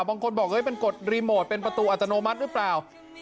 บางคนบอกเป็นกฎรีโมทเป็นประตูอัตโนมัติหรือเปล่า